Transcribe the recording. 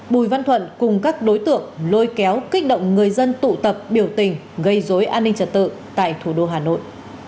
bùi văn thuận cùng các đối tượng lôi kéo kích động người dân tụ tập biểu tình gây dối an ninh trật tự tại thủ đô hà nội